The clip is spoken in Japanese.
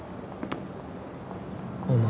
お前。